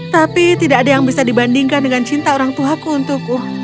tapi tidak ada yang bisa dibandingkan dengan cinta orang tuaku untukku